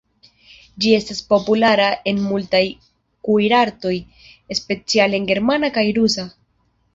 Ĝi estas populara en multaj kuirartoj, speciale en germana kaj rusa.